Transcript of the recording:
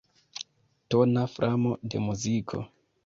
Tona framo de muziko.